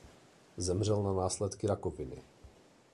Zemřel na následky rakoviny.